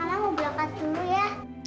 anak mau belokat dulu ya